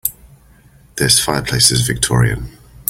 This fireplace is victorian.